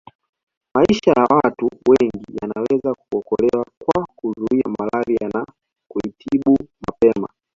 Maisha ya watu wengi yanaweza kuokolewa kwa kuzuia malaria na kuitibu mapema